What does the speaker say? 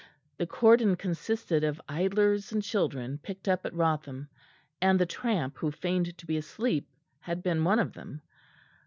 The cordon consisted of idlers and children picked up at Wrotham; and the tramp who feigned to be asleep had been one of them.